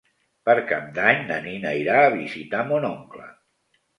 Per Cap d'Any na Nina irà a visitar mon oncle.